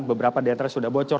beberapa diantre sudah bocor